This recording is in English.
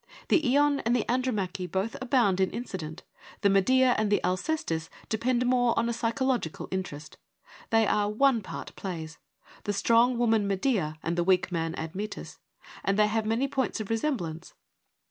The Ion and the Andromache both abound in incident : the Medea and the Alcestis depend more on a psychological interest. They are ' one part ' plays — the strong woman Medea and the weak man Admetus — and they have many points of resem blance.